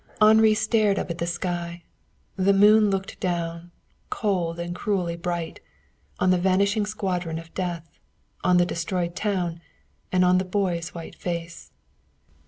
Henri stared up at the sky. The moon looked down, cold, and cruelly bright, on the vanishing squadron of death, on the destroyed town and on the boy's white face.